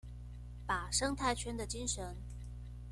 把生態圈的精神